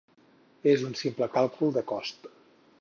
És un simple càlcul de costs.